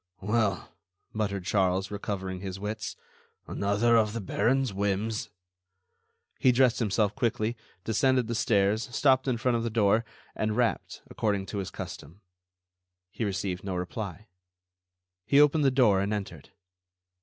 "Well?" muttered Charles, recovering his wits, "another of the Baron's whims." He dressed himself quickly, descended the stairs, stopped in front of the door, and rapped, according to his custom. He received no reply. He opened the door and entered.